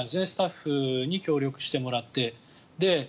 スタッフに協力してもらって。